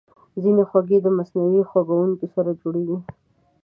ځینې خوږې د مصنوعي خوږونکو سره جوړېږي.